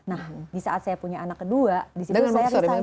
nah disaat saya punya anak kedua disitu saya resign